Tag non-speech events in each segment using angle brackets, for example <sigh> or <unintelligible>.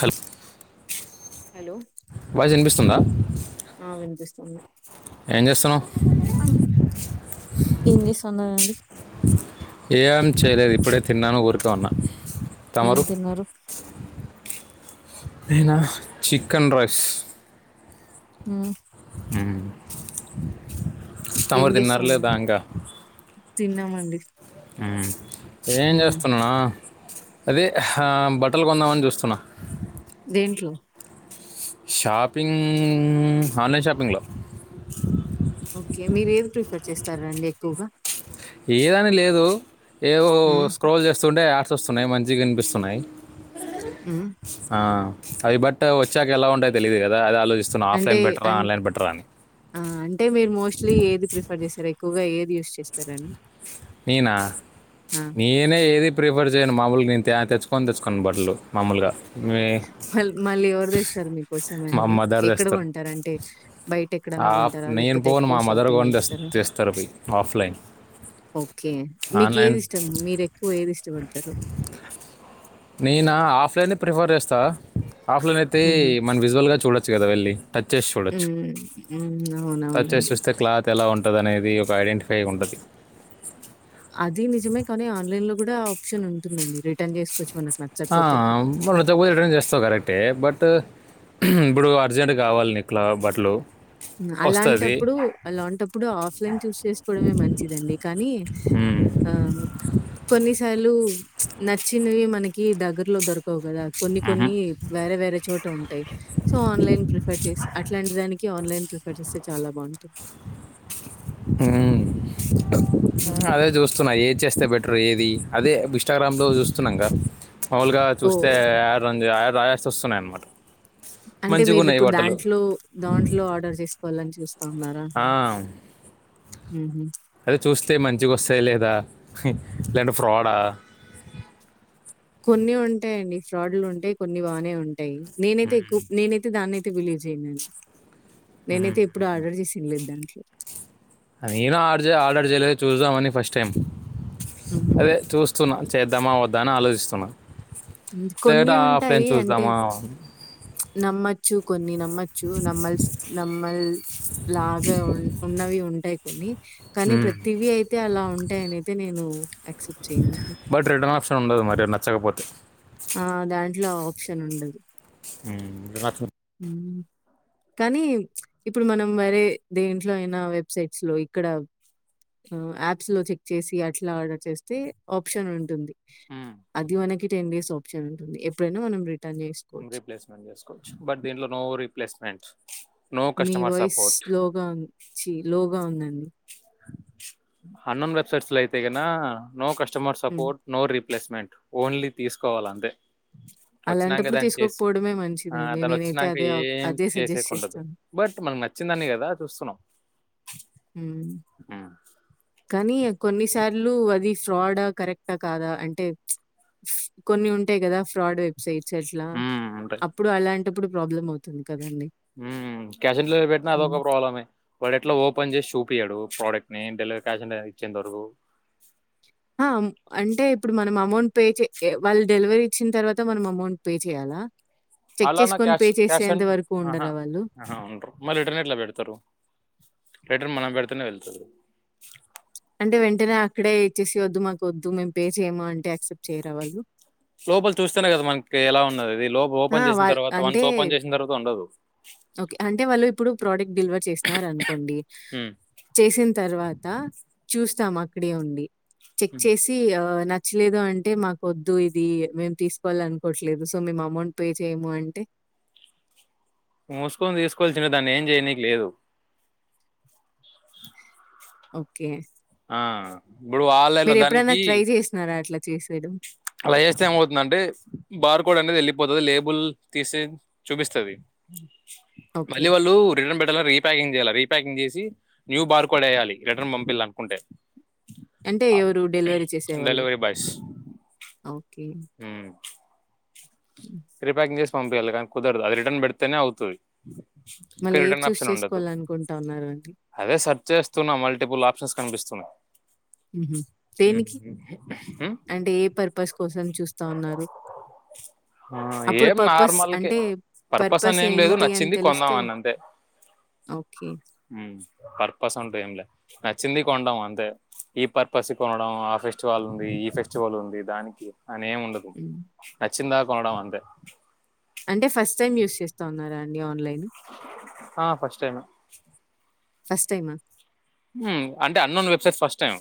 హల్ hello voice వినిపిస్తుందా ఆ వినిపిస్తుంది ఏం చేస్తున్నావు ఏం చేస్తున్నారండి ఏం చేయలేదు ఇప్పుడే తిన్నాను ఊరుకేఉన్నా ఏం తిన్నారు అనా చికెన్ రైస్ ఉం మ్ ఏం తమురు తిన్నారులేదా చేస్తున్నారు ఇంకా తిన్నామండి ఆ ఏం ఉమ్, చేస్తున్నానా అదే హా బట్టలు కొందామని చూస్తున్నా దేంట్లో షాపింగ్ ఆన్లైన్ షాపింగ్లో ఓకే మీరు ఏది ప్రిఫర్ చేస్తారండి ఎక్కువగా ఏదని లేదు ఏవో ఉమ్, స్క్రోల్ చేస్తుండే చూస్తున్నాయి మంచిగనిపిస్తున్నాయి ఉమ్. ఆ అవి బట్ వచ్చాక ఎలా ఉంటయి తెలిదు కదా అది ఆలోచ అంటే అ అంటే మీరు మోస్ట్లీ ఏది ప్రిఫర్ చేసారు ఎక్కువగా ఏది యూస్ చేస్తారండి నేనా ఆ, నేనే ఏది ప్రిఫర్ చేయను మామూలు నేను తే తెచ్చును ని తెచ్చుకని బట్టలు మామూలుగా మీ మ మళ్ళీ ఎవరుదిస్తారు మీకోసం అ మా మదర్ ఎక్కడ తెస్తారు కొంటారా అంటే బయట ఎక్కడనా ఆఫ్ కొంటారా నేను లేకపోతే పోను ఎక్కువ మా మదర్ షాపింగ్ కొని తెస్- చేస్తారా తెస్తారు అవి ఆఫ్లైన్ ఓకే మీకు ఆన్లైన్ ఏది ఇష్టము మీరు ఎక్కువ ఏది ఇష్టపడతారు నేను ఆఫ్లైన్ని ప్రిఫర్ చేస్తా ఆఫ్లైన్ అయితే ఉమ్, మనం విజువల్గా చూడొచ్చు కదా వెళ్ళి టచ్ చేసి చూడొచ్చు హ్మ్. హ్మ్. టచ్ చేసి అవునవునండి. చూస్తే క్లాత్ ఎలా ఉంటుంది ఉంటద అనేది ఒక ఐడెంటిఫై ఉంటంది అది నిజమే కానీ ఆన్లైన్ లో కూడా ఆప్షన్ ఉంటుందండి రిటర్న్ చేస్త ఆ మ తక్పోతే ట్రైన్ చేస్తావు కరెక్టే బట్ ఇప్పుడు అర్జెంట్ కావాలిని ఇట్లా బట్టలు వస్తుంది అలాంటప్పుడు అలాంటప్పుడు ఆఫ్లైన్ చూస్ చేసుకోవడమే మంచిదండి కానీ ఆ కొన్నిసార్లు నచ్చినవి మనకి దగర్ లో దరకావు కదా కొన్ని మ్మ్. కొన్ని వేరే వేరే చోట ఉంటాయి సో ఆన్లైన్ ప్రిఫర్ చేసి అట్లాంటి దానికి ఆన్లైన్ చేస్తే చా బాగుంటాయి హ్మ్ హ్మ్. అదే చూస్తున్నా ఏది చేస్తే బెటర్ ఏది అదే ఇన్స్టాగ్రామ్ లో చూస్తున్నాం క మాములుగా చూస్తే ఓహ్! ఆరు రం యాడ్స్ వస్తున్నాయి అన్నమాట అంటే మీరు ఇప్పుడు దాంట్లో దాంట్లో ఆర్డర్ చేసుకోవాలని చూస్త ఆ హుహు. అదే చూస్తే మంచిగ వస్తాయి లేదా లే అంటే ఫ్ర్రాడ ఆ కొన్ని ఉంటాయండి ఫ్రాడ్లు ఉంటాయి కొన్ని బాగానే ఉంటాయి నేనైతే ఎక్కు నేనైతే దాన్నే విలేజ్ ఎందని నేనైతే ఎప్పుడు ఆర్డర్ చేసింది లేదు దానికి నేను ఆర్డర్ చేయ ఆర్డర్ చేయలేదు చూసుద్దమని ఫస్ట్ టైం హుహు. అదే చూస్తున్న చేద్దామ వద్ద అని ఆలోచిస్తున్న కొన్ని ఉంటాయి అంటే చూ నమ్మచ్చు కొన్ని నమ్మచ్చు నమ్మాల్స్ నమ్మల్ లాగా ఉ ఉన్నవి ఉంటాయి కొన్ని కానీ ప్రతివి అయితే అలా ఉంటాయని అయితే నేను యాక్సెప్ట్ చేయనండి. బట్ రిటర్న్ ఆప్షన్ ఉండదు మరి నచ్చకపోతే ఆ దాంట్లో ఆప్షన్ ఉండదు. మ్ రాచు కనీ ఇప్పుడు మనం వేరే దేంట్లో అయిన వెబ్సైట్స్లో ఇక్కడ యాప్స్లో చెక్ చేసి అట్లా ఆర్డర్ చేస్తే ఆప్షన్ ఉంటుంది. ఆప్షన్ అది మనకి టెన్ డేస్ ఆప్షన్ ఉంటుంది. ఎప్పుడైన మనం రి రీప్లేస్మెంట్ చేస్కోవచ్చు బట్ దీంట్లో నో రిప్లేస్మెంట్స్ మీ వాయిస్ స్లోగా ఉం చి లోగా ఉందండి అన్నోన్ వెబ్సైట్స్లో అయితే గిన నో కస్ customer hmm. Support no replacement only తీసుకోవాల అంతే వచ్చినాక అలాంటప్పుడు దాన్ని చేస్ తీసుకోకపోవడమే ఆ మంచిదండి. నేనైతే తనొచ్చినాక అదే ఆప్ ఏం అదే సజెస్ట్ చేసేకుండదు. చేస్తాను. బట్ మనం నచ్చిందాన్నే కదా చూస్తున్నాం. మ్ ఉమ్, కాని కొన్నిసార్లు అది ఫ్రాడా కరెక్ట కాదా అంటే కొన్ని ఉంటాయి కదా ఫ్రాడ్ వెబ్సైట్ సైట్ల ఉమ్, అప్పుడు అలాం ఎప్పుడు ప్రాబ్లమ్ అవుతుంది. కదండీ! హ్మ్ క్యాష్ ఆన్ డిలివరి పెట్టిన హ్మ్. అదొక ప్రాబ్లమే వాడేట్ల ఓ ఓపెన్ చేసి చూపియడు ప్రొడక్ట్ని డెలివరీ క్యాష్ అన్ డెలివరీ ఇచ్చేంత వరకు ఆ అంటే ఇప్పుడు మనం అమౌంట్ పే చే వాళ్ డెలివరీ ఇచ్చిన తర్వాత మనం అమౌంట్ పే చేయ్యాలా అలానా క్యాష్ క్యాష్ అం ఆహా ఉండరా వాళ్ళు? ఆ ఉండరు మళ్ళీ రిటర్న్ ఎట్ల పెడ్తరు. రిటర్న్ మనం పెడ్తేనే వెళ్తదు. అంటే వెంటనే అక్కడే ఇచ్చేసి వద్దు మాకు వద్దు మేం పే చేయమా అంటే యాక్సెప్ట్ చేయరా వాళ్ళు లోపల చూస్తేనే కదా మనకి ఎలా ఉన్నది ఇది లోపల ఆ ఓపెన్ చేసిన వా తర్వాత వన్స్ అంటే ఓపెన్ చేసిన తర్వాత ఉండదు ఓకే అంటే వాళ్ళు ఇప్పుడు ప్రొడక్ట్ డెలివర్ చేసినార్ అన్కోండి ఉమ్. చేసిన తర్వాత చూస్తామా అక్కడే ఉండి చెక్ చేసి ఆ నా నచ్చలేదు అంటే మాకు వద్దు ఇది మేం తీస్కోవాల్ అన్కోట్లేదు సో మేం అమౌంట్ పే చేయము అంటే ముస్కోని తీస్కోవల్సిన దాన్ని ఏం చేయనికి లేదు ఓకే ఆ ఇప్పుడు ఆన్లైన్ లో మీరెప్పుడైనా దానికి ట్రై చేసినారా అట్లా తీసేడం అలా చేస్తే ఏమౌతుందంటే బార్ కోడ్ అనేది ఎళ్ళిపోతది లేబుల్ తీసి చూపిస్తది ఓకే. మళ్ళీ వాళ్ళు రిటర్న్ పెట్టలా రీప్యాకింగ్ చేయాలా రీ ప్యాకింగ్ చేసి న్యూ బార్ ఏయాలి రిటర్న్ పంపిలనుకుంటే అంటే ఎవరు డెలివరీ చేసేవాళ్ళు అవు ఊ హ్మ్. ప్రిప్యాకింగ్ చేస్ పంపియాలే గాని కుదరదు అది రటర్న్ పెడతేనే అవుతది ఇక మళ్ళీ ఏది రిటన్ చూస్ ఆప్షన్ ఉండదు చేసుకోవాలనుకుంటా ఉన్నారు అండి? అదే స చేస్తున్నా మల్టిపుల్ ఆప్షన్స్ కనిపిస్తున్నాయి ఉహు దేనికి అంటే ఏ పర్పస్ కోసం చూస్తా ఉన్నారు అప్పుడు ఏం పర్పస్ నార్మల్కి అంటే పర్పస్ అని ఏం లేదు ఏంటి అని నచ్చింది తెలిస్తే కొందామని అంతె ఓకే. ఉ పర్పస్ అంటు ఏం లే నచ్చింది కొండం అంతే ఈ పర్పస్ కొనడం ఆ ఫెస్టివల్ ఉంది ఈ ఫెస్టివల్ ఉంది దానికి అనేేము ఉండదు హ్మ్. న చిన్న కొనడం అంతే అంటే ఫస్ట్ టైమ్ యూస్ చేస్తా ఉన్నారా డి ఆన్లైన్ ఆ ఫస్ట్ టైమే ఫస్ట్ టైమా ఊ అంటే unknown website first time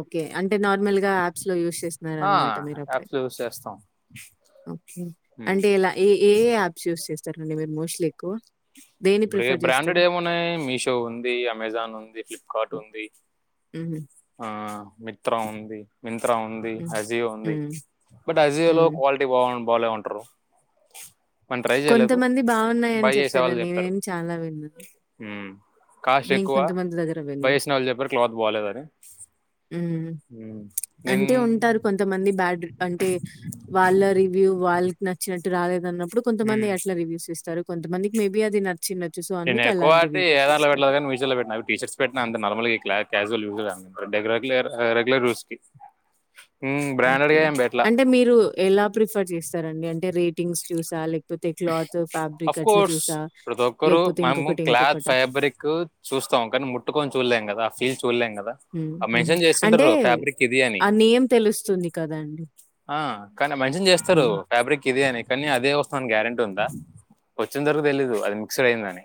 okay అంటే నార్మల్ గా యాప్స్ లో యూస్ చేసున్నారన మాట మీరు ఒకరే యాప్స్ యూస్ చేస్తాం ఓకే అంటె ఇలా ఏ ఏ అప్స్ యుస్ చెస్ సరేనండి మీరు మోస్ట్లీ ఎక్కువ దేన్ని ఇప్పుడు ఏ ప్రిఫర్ బ్రాండెడ్ చేస్తారు? ఏమున్నాయి మీషో ఉంది అమెజాన్ ఉంది ఫ్లిప్ కాటు ఉంది హుహు. ఆ మిత్ర ఉంది మింత్రా ఉంది హ్మ్. అజియో ఉంది హ్మ్. బట్ అజియో లో హ్మ్. క్వాలిటీ బాగుం వాలే ఉంటరు కొంతమంది బాగున్నాయని చెప్తారు నేనేం చాలా విన్న ఊ కాస్ట్ ఎక్కువ విన్నాను. బయసిన వాళ్ళు చెప్పారు క్లాత్ బాలేదని హ్మ్. నేను ఊ నెన్ బడ్ అంటే వాళ్ళ రివ్యూ వాళ్ నచ్చినట్టు రాలేదన్న ఇప్పుడు కొంతమంది ఉమ్. అట్లా రివ్యూస్ ఇస్తారు కొంత మందికి మే బి అది చినొచ్చు సో అందుకు అలాంటి రివ్యూస్ ఇస్తారు షర్ట్స్ పెట్టిన టీచర్స్ పెట్టిన అంతే నార్మల్ ఈ క్లాతు పెట్టిన రేగులర్ యూస్ కి ఓకే అంటే మీరు ఎలా ప్రిఫర్ చేస్తారండి రేటింగ్స్ చూసా లేక అఫ్ కోర్స్ ప్రతి ఒక్కరూ లేకపోతే మేము ఇంకొకటి క్లాత్ ఇంకొకటా? ఫైబ్రిక్ చూస్తాము కానీ ముట్టుకొం చూడ్లెమ్ కదా ఫీ హ్మ్ అంటే ఫ్యాబ్రిక్ ఇది అని ఆ నెమ్ తెలుస్తుంది కదా అండి ఆ కానీ మెన్షన్ చేస్తారు ఫ్యాబ్రిక్ ఇది అని కానీ అదే వస్తుందని గ్యారంటీ ఉందా వచ్చింతవరకు తెలీదు అది మిక్స్డ్ అయిందని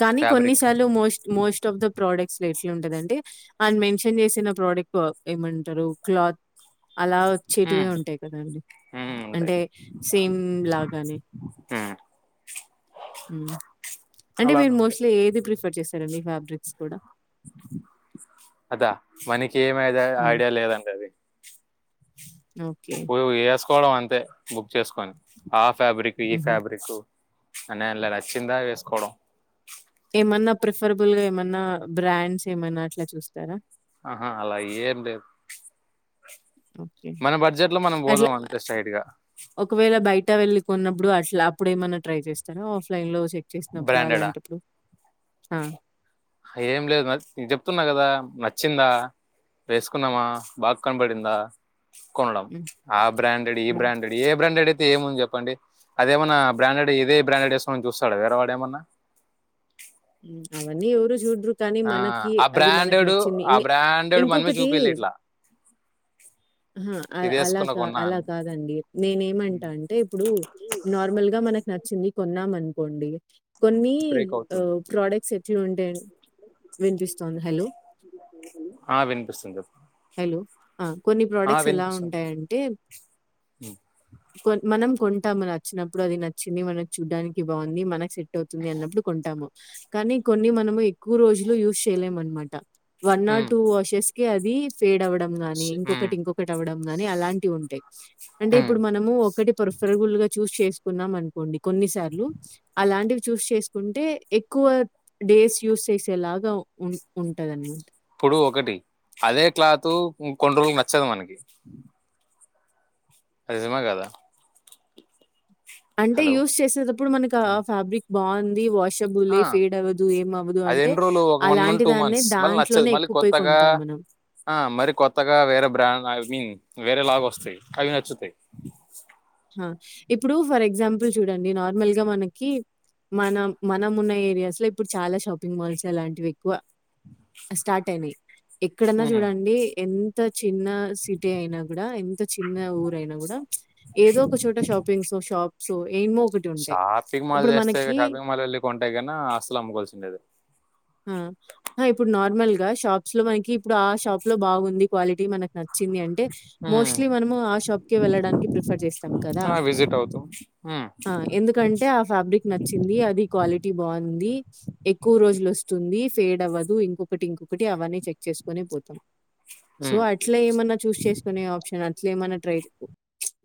కానీ ఫ్యాబ్రిక్ కొన్నిసార్లు most most of the product <unintelligible> ఎట్లా ఉంటదంటే ఆన మెన్షన్ చేసిన ప్రోడక్ట్ ఏమంటారు క్లాత్ అలా వచ్చేటివే ఉమ్, ఉంటాయి కదండి ఉమ్, ఉంటాయి అంటే సేమ్ లాగానే ఉమ్. అంటే అలానే మీరు ఉంటాయి మోస్ట్లీ ఏది ప్రిఫర్ ప్రిఫర్ చేశార మీ ఫ్యాబ్రిక్స్ కూడా? అదా మనకి ఏమి హ్మ్. ఐడియా లేదండి అది ఓకే. పో కోవడం అంతే బుక్ చేసుకొని ఆ ఫ్యాబ్రిక్ ఈ హుహు. ఫ్యాబ్రికు అని అనల నచ్చిందా వేసుకోవడం ఏమన్నా ప్రిఫరబుల్ గా ఏమన్నా బ్రాండ్స్ ఏమన్నా అట్లా చూస్తారా ఆహ అలా ఏం లేదు ఓకే. మన బడ్జెట్ లో మనం అట్లా పోదాం అంతే స్ట్రెయిట్ గా ఇట్ట వెళ్ళి కొన్నప్పుడు <unintelligible> అప్పుడు ఏమన్నా ట్రై చేస్తార ఆఫ్లైన్ లో చెక్ చేసినప్పుడు బ్రాండెడా అలాంటప్పుడు ఆ ఏం లేదు మ నేను చెప్తున్న కదా నచ్చిందా వేసుకున్నామా బాగా కనబడిందా కొనడం హ్మ్. ఆ బ్రాండెడ్ ఈ హ్మ్. బ్రాండెడ్ ఏ బ్రాండెడ్ తే ఏముంది చెప్పండి అదేమన్నా బ్రాండెడ్ ఇదే బ్రాండెడ్ వేస్తామని చూస్తాడా వేరేవాడు ఏమన్నా అవన్నీ ఎవరు చూడ్రు ఆ ఆ బ్రాండెడ్ ఆ ఇంగ బ్రాండెడ్ మనమే చూపియ్యాలిట్ల ఉహు అ అలా కా కొన్నా అలా అని కాదండి నేనేమంటా అంటే ఇప్పుడు నార్మల్ గా మనకు నచ్చ చింది కొన్నామనుకోండి కొన్ని బ్రేక్ అవుతుంది ప్రోడక్ట్స్ ఎ ఎట్లుంటాయి వినిపిస్తోంది. హలో! ఆ వినిపిస్తుంది చే హలో! ఆ కొన్ని ప్రోడక్ట్స్ ఎలా ఉంటాయంటే ఉమ్, కొ మనం కొ కొంటాము నచ్చినప్పుడు అది నచ్చింది మనం చూడ్డానికి బాగుంది మనకి సెట్ అవుతుంది అన్నప్పుడు కొంటాము కానీ కొన్ని మనము ఎక్కువ రోజులు యూజ్ చేయలేము అన్నమాట one or um, two washes అది ఫేడ్ అవ్వడం గాని ఇంకొ బట్ ఇంకొకటి అవడం గాని అలాంటివి ఉంటాయి అంటే ఉమ్. ఇప్పుడు మనము ఒకటి ప్రర్ఫరబుల్ గా చూస్ చేస్త కున్నాం అనుకోండి కొన్నిసార్లు అలాంటివి చూస్ చేసుకుంటే ఎక్కువ డేస్ యూస్ చేసేలాగా ఉ ఉంటదానమాట ఇప్పుడు ఒకటి అదే క్లాత్ ఇంకొన్ని రోజులకి నచ్చదు మనకి నిజమా కాదా అంటే యూస్ చేసేటప్పుడు మనకి ఆ ఫ్యాబ్రిక్ బాగుంది వా ఆ అది ఎన్ని రోజులు ఒక వన్ మంత్ అలాంటి టూ దాన్నే మంత్స్ మళ్ళీ నచ్చదు దాంట్లోనే మళ్ళీ ఎక్కువ పోయి కొత్తగా కొంటాం మనం. ఆ మరీ కొత్తగా వేరే బ్రాండ్ మి వేరే లాగా వస్తాయ్ అవి నచ్చుతాయ్ హ ఇప్పుడు ఫర్ ఎగ్జాంపుల్ చూడండి నార్మల్గా మనకి మన మనం ఉన్న ఏరియాస్ లో ఇప్పుడు చాలా షాపింగ్ మాల్స్ ఇలాంటివి ఎక్కువ స్టార్ట్ అయినాయి ఎక్కడన్నా హ్మ్. చూడండి ఎ ఇంత చిన్న సిటీ అయినా కూడా ఎం ఎంత చిన్న ఊరైనా కూడా ఏదో ఒక చోట shoppings shop so shopping mall చేస్తే షాపింగ్ మాల్ వెళ్ళి కొంటాయి కన అస్తులు అమ్ముకోవాల్సిండేది అ హ ఇప్పుడు న నార్మల్ గా షాప్స్ లో మనకి ఇప్పుడు ఆ షాప్ లో బాగుంది క్వాలిటీ మన నచ్చింది అంటే హ్మ్. మోస్ట్లీ మనము ఆ షాప్క వెళ్ళడానికి ప్రిఫర్ చేస్తాం కదా ఆ! విజిట్ అవుతాం హ్మ్. అ ఎందుకంటే ఆ ఫ్యాబ్రిక్ నచ్చింది అది క్వాలిటీ బాగుంది ఎక్కువ రోజులు వస్ తుంది ఫేడ్ అవ్వదు ఇంకొకటి ఇంకొకటి అవన్నీ చెక్ చేసుకునే పోతాం సో హ్మ్. అట్లా ఏమన్నా చూస్ చేసుకునే ఆప్షన్ అ అట్లేమన్న ట్రై చే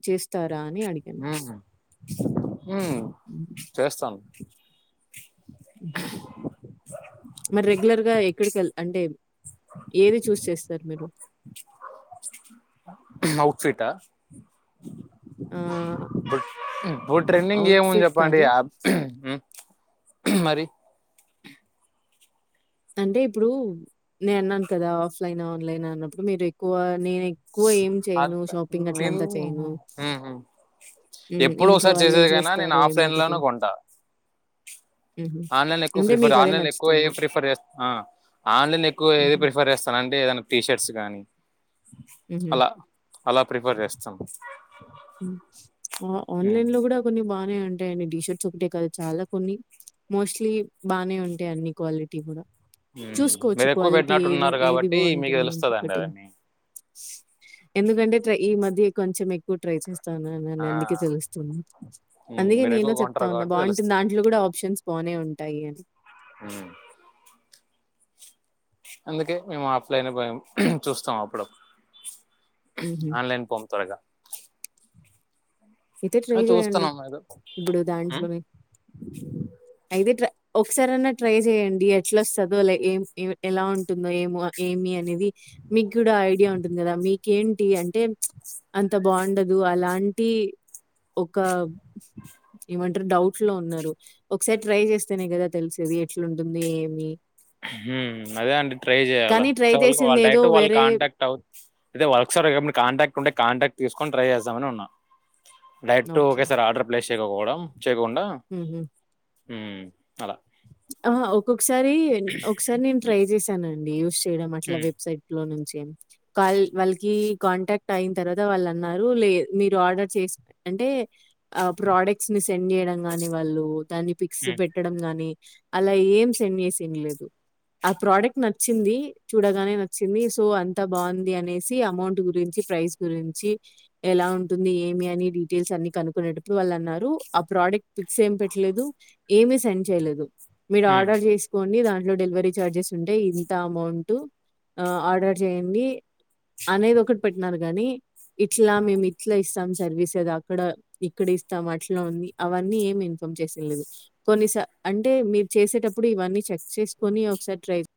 చేస్తార్ హ్మ్. చేస్తాను మరి రెగ్యులర్ గా ఎక్కడికి వె అంటే ఏది చూస్ చేస్తారు మీరు ఔట్ సైట్ ఆహ్, ఇప్పుడు ఇప్పుడు ట్రెండింగ్ ఏముంది అవుట్‌ఫిట్ చెప్పండి కాదు. మరి అంటే ఇప్పుడు నేను అన్నాను కదా ఆఫ్లైన్ ఆన్లైన్ అన్నప్పుడు మీరు ఎక్కువ నేను అ నేను చేయను. హ్మ్. ఎప్పుడు ఇంట్లో ఒకసారి వాళ్ళే చేసేదికైనా నేను చేస్తారు ఏమో ఆఫ్లైన్ ఒకటి. లోనే కొంటా హుహు. ఆన్లైన్ ఎక్కువ అంటే ప్రిఫర్ మీకదే ఆన్లైన్ ఎక్కువ ఏ నచ్చుతుంది. ప్రిఫర్ చేస్త ఆ ఆన్లైన్ లో ఎక్కువ ఏద హుహు. ప్రిఫర్ చేస్తాన అంటే ఏదై షర్ట్స్ కానీ హ అలా అలా ప్రిఫేర్ చేస్తాం ఆన్లైన్ లో కూడా కొన్ని బాగు ఉంటాయండి షర్ట్ చుటే కదా చాలా కొన్ని మోస్ట్లీ బానే ఉంటాయి అన్ని క్వాలిటీ కూడా చూసుకోవచ్చు మీరు ఎక్కువ క్వాలిటీ ఏది పెట్టినట్టున్నారు ఏది కాబట్టి మీకు బాగుంటుంది తెలుస్తుందండి ఇంకొకటి అవన్నీ ఎందుకంటే ఈ మధ్య కొంచెం ఎక్కువ ట్రై ఆ అందుకే తెలుస్తున్నా ఉమ్, అందుకే మీరు ఎక్కువ నేను చెప్తా కొంటారు ఉన్నా కాబట్టి బాగుంటుంది తెలుస్తుంది దాంట్లో కూడా ఆప్షన్స్ పోనే ఉంటాయి అని హ అందుకే మేము ఆఫలైన్ పో చూస్తాం అప్పుడు హుహు. ఆన్లైన్ ఫమ్ త్వరగా అయితే ఆ, ట్రై చేయండి చూస్తున్నాం ఏదో ఇప్పుడు దాంట్లోనే అయితే ట ఒకసార అనా ట్రై చెయండి ఎట్లా వస్తుందో లై ఏం ఎలా ఉంటుందో ఏమ ఏమి అనేది మీకు కూడా ఐడియా ఉంటుంది కదా మీ ఏంటి అంటే అంత బాగుండదు అలాంటి ఒక ఏమంటారు డౌట్ లో ఉన్నారు ఒకసారి ట్రై చేస్తేనే కదా తెలిసేది ఎట్లాంటుంది ఏమి అదే అండి ట్రై చేయాలి కానీ ట్రై ఒకసారిళ్ళ వాళ్ళ జేసిందేదో డైక్ట్ వాళ్ళ వేరే కాంటాక్ట్ అవు అద వాళ్ళ ఒకసారి కాంటాక్ట్ ఉంటే కాంటాక్ట్ తీసుకొని ట్రై చేస్తామని ఉన్నా డరెట్ ఓకే. ఓక స ఆర్ ప్లేస్ చేకపోవడం చేయకుండా హుహు. హ్మ్ అలా ఆ ఓక్ ఒకోసారి ఒకసారి నేను ట్రై చేశానండి. తియ్డం అట్లా హ్మ్ వెబ్సైట్ లో నుంచి గ్రేమ్ కాల్ వాళ్కి కాంటాక్ట్ అయిన్ తర్వాత వాళ్ళు అన్నారు. లే మీరు ఆర్డర్ చేసుకు అంటే ఆ ప్రొడక్ట్స్ ని సెండ్ చేయడం గాని వాళ్ళు. దాన్ని పిక్స్ హ్మ్ పెట్టడం, గాని అలా ఏం సెండ్ చేసిన్లేదు. ఆ ప్రోడక్ట్ నచ్చింది చూడగానే నచ్చింది. సో అంత బావుంది, అనేసి అమౌంట్ గురించి, ప్రైస్ గురించి ఎలా ఉంటుంది. ఏమి అని డీటెయిల్స్ అన్ని కనుకునేటప్పుడు వాళ్ళన్నారు. ఆ ప్రోడక్ట్ ఫిక్స్ ఏమి పెట్టలేదు, ఏమి సెండ్ చేయ్లేదు. మీరు హ్మ్ ఆర్డర్ చేసుకోండి దాన్ లో డెలివరీ చార్జెస్ ఉంటై. ఇంత అమౌంట్ ఆర్డర్ చేయండి. అనేది ఒకటి పెట్టినర్ గాని, ఇట్లా మేం ఇట్లా ఇస్తాం, సర్వీస్ అక్కడ ఇక్కడ ఇస్తాం, అట్లా ఉంది అవన్నీ ఏం ఇన్ఫచేస్లేదు. కొనిసా అంటే అంటే మీరు చేసేటప్పుడు ఇవన్నీ చెక్ చేసుకొని. ఒకసారి ట్రై